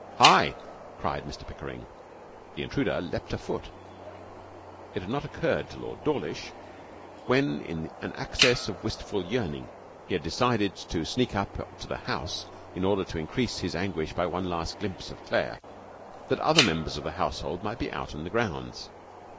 'Hi!' cried Mr Pickering. The intruder leaped a foot. It had not occurred to Lord Dawlish, when in an access of wistful yearning he had decided to sneak up to the house in order to increase his anguish by one last glimpse of Claire, that other members of the household might be out in the grounds.